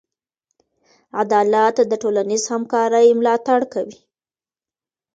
عدالت د ټولنیز همکارۍ ملاتړ کوي.